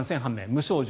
無症状。